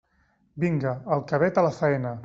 Vinga, el cabet a la faena!